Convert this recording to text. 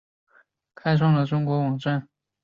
开创了中国网站出假日版的先河。